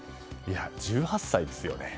１８歳ですよね。